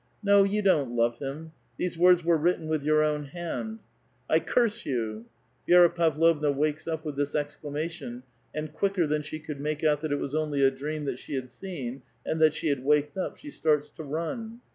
*' No, you don't love him ; these words were written with your own hand.*' '' I curse vou !" Vi^ra Pavlovna wakes up with this exclamation, and quicker than she could make out that it was onlv a dream that she had seen, and that she had waked up, she starts to run.